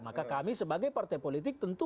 maka kami sebagai partai politik tentu